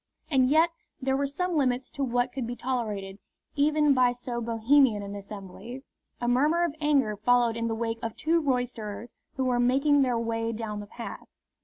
And yet there were some limits to what could be tolerated even by so Bohemian an assembly. A murmur of anger followed in the wake of two roisterers who were making their way down the path.